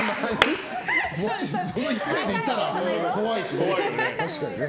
その１回でいたら怖いしね。